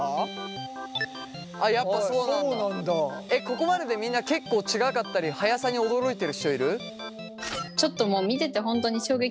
ここまででみんな結構違かったり速さに驚いてる人いる？